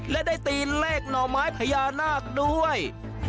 และได้ตีเลขหน่อไม้พญานาคด้วย